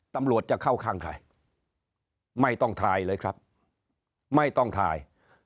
ตำรวจจะเข้าข้างใครไม่ต้องถ่ายเลยครับไม่ต้องถ่าย